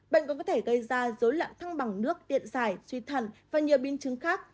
bệnh cũng có thể gây ra dối lạng thăng bằng nước điện giải suy thần và nhiều biên chứng khác